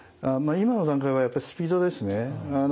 今の段階はやっぱスピードですね。